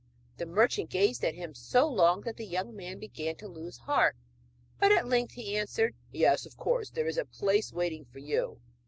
The merchant gazed at him so long that the young man began to lose heart, but at length he answered: 'Yes, of course; there is a place waiting for you.'